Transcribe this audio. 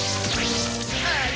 あれ？